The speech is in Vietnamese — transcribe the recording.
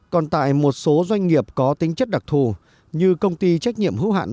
còn tại một số doanh nghiệp có tính chất đặc thù như công ty trách nhiệm hữu hạn